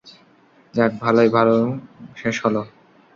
যাক, ভালোয় ভালোউ শেষ হলো!